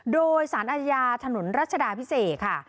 โดยสารอาญาถนนรัชดาพิเศษค่ะ